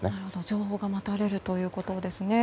情報が待たれるということですね。